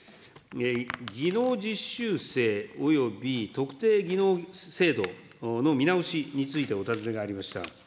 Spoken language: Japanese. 技能実習生および特定技能制度の見直しについてお尋ねがありました。